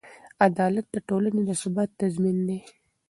عدالت د ټولنې د ثبات تضمین دی.